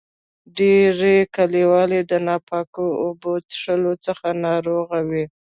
ډیری کلیوال د ناپاکو اوبو چیښلو څخه ناروغ وي.